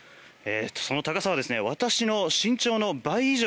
その高さは、私の身長の倍以上。